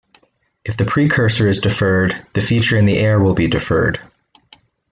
If the precursor is deferred, the feature in the heir will be deferred.